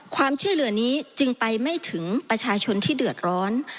ความช่วยเหลือนี้จึงไปไม่ถึงประชาชนที่เดือดร้อน